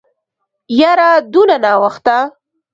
يره دونه ناوخته.